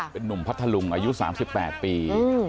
เป็นนุ่มพัทธลุงอายุ๓๘ปี